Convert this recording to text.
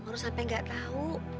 roh sampe gak tau